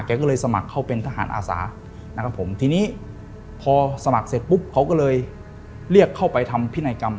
ก็เลยสมัครเข้าเป็นทหารอาสานะครับผมทีนี้พอสมัครเสร็จปุ๊บเขาก็เลยเรียกเข้าไปทำพินัยกรรม